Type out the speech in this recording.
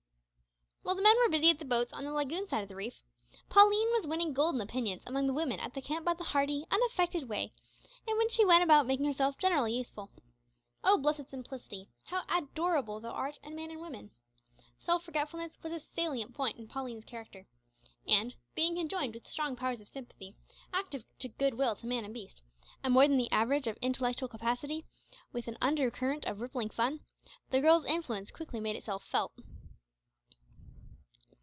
While the men were busy at the boats on the lagoon side of the reef, Pauline was winning golden opinions among the women at the camp by the hearty, unaffected way in which she went about making herself generally useful. O blessed simplicity, how adorable art thou in man and woman! Self forgetfulness was a salient point in Pauline's character, and, being conjoined with strong powers of sympathy, active good will to man and beast, and more than the average of intellectual capacity, with an under current of rippling fun, the girl's influence quickly made itself felt.